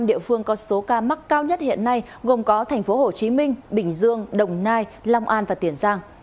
năm địa phương có số ca mắc cao nhất hiện nay gồm có tp hcm bình dương đồng nai long an và tiền giang